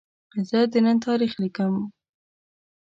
زه د نن تاریخ لیکم.